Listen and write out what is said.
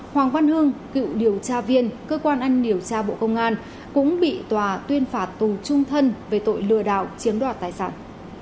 hoàng văn hưng cựu điều tra viên cơ quan ăn điều tra bộ công an cũng bị tòa tuyên phạt tù trung thân về tội lừa đảo chiếm đoạt tài sản